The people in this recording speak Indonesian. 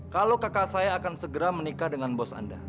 kalau kakak saya akan segera menikah dengan bos anda